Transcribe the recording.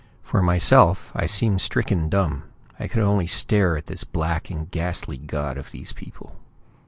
For myself, I seemed stricken dumb; I could only stare at this black and ghastly god of these people.